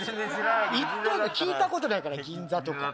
言っといて聞いたことないから銀座とか。